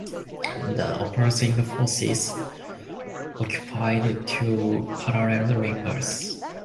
The opposing forces occupied two parallel ridges.